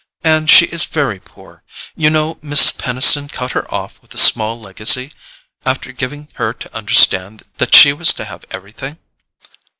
And she is very poor—you know Mrs. Peniston cut her off with a small legacy, after giving her to understand that she was to have everything."